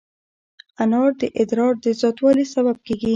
انار د ادرار د زیاتوالي سبب کېږي.